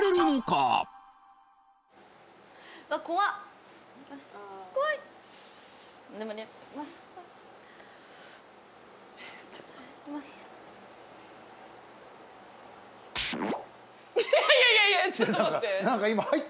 いやいやいやちょっと待って。